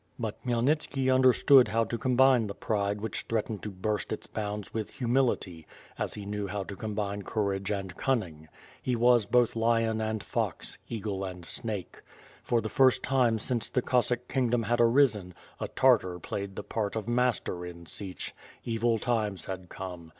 But Khmyelnitski under stood how to combine the pride which threatened to burst its bounds with humility, as he knew how to combine courage and cunning. He was Imth lion and fox; eagle and snake. For the first time since the Cossack kingdom had arisen, a Tartar played the part of master in Sich, evil times had come.